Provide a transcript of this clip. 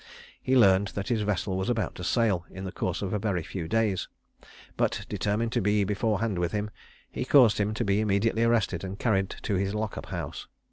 He learned that his vessel was about to sail in the course of a very few days; but, determined to be beforehand with him, he caused him to be immediately arrested and carried to his lock up house.